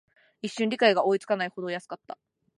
一瞬、理解が追いつかないほど安かった